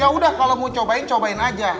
yaudah kalau mau cobain cobain aja